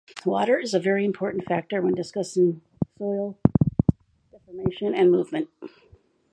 Water is a very important factor when discussing soil deformation and movement.